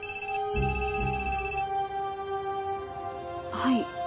はい。